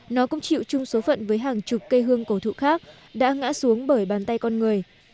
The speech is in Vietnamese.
nó cũng chịu chung số phận với hàng chục cây hương cổ thụ khác đã ngã xuống bởi bàn tay con người